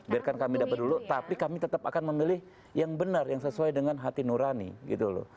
biarkan kami dapat dulu tapi kami tetap akan memilih yang benar yang sesuai dengan hati nurani gitu loh